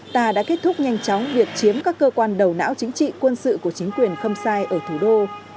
ta đã kết thúc nhanh chóng việc chiếm các cơ quan đầu não chính trị quân sự của chính quyền khâm sai ở thủ đô